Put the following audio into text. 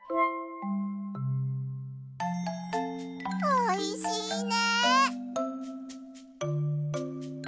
おいしいね。